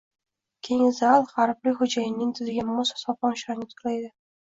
Keng zal G`arblik xo`jayinning didiga mos shovqin-suronga to`la edi